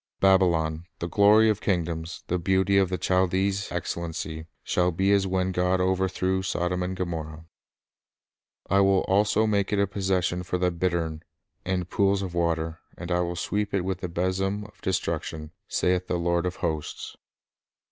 '• Babylon, the glory of kingdoms, The beauty of the Chaldee's excellency, Shall be as when God overthrew Sodom and Gomorrah." "I will also make it a possession for the bittern, and pools of water; and I will sweep it with the besom of destruction, saith the Lord of hosts."